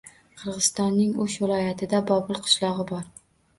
Qirg‘izistonning O‘sh viloyatida Bobul qishlog‘i bor.